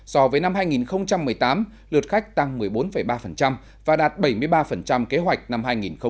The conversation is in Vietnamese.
so với năm hai nghìn một mươi tám lượt khách tăng một mươi bốn ba và đạt bảy mươi ba kế hoạch năm hai nghìn một mươi chín